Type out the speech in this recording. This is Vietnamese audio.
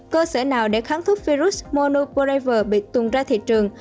cơ sở nào để kháng thuốc virus monoprever bị tuôn ra thị trường